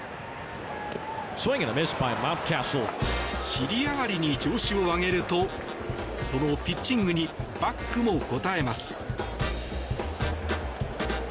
尻上がりに調子を上げるとそのピッチングにバックも応えます。